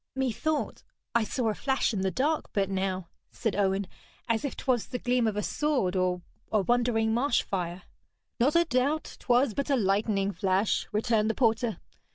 'Methought I saw a flash in the dark but now,' said Owen, 'as if 'twas the gleam of a sword or a wandering marsh fire.' 'Not a doubt 'twas but a lightning flash,' returned the porter.